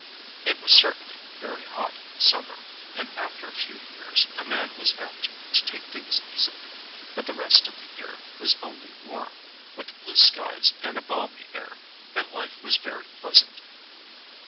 It was certainly very hot in summer, and after a few years a man was apt to take things easily, but the rest of the year was only warm, with blue skies 109 ON A CHINESE SCREEN and a balmy air, and life was very pleasant.